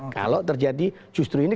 kalau terjadi justru ini